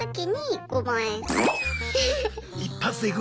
一発でいく？